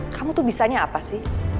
kamu tuh bisanya apa sih